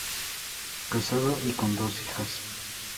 Casado y con dos hijas.